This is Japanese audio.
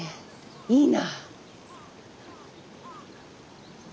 いいな。